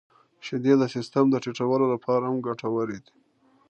• شیدې د سیستم د ټيټولو لپاره هم ګټورې دي.